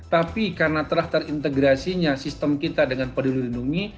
tapi karena telah terintegrasinya sistem kita dengan peduli lindungi